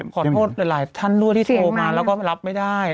หยิบเส้นขอโทษหลายหลายท่านที่โทรมาแล้วก็รับไม่ได้